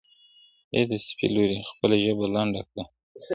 ای د سپي لورې خپله ژبه لنډه کړه.